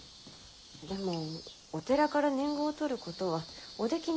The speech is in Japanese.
でもお寺から年貢を取ることはおできにならぬはずでは？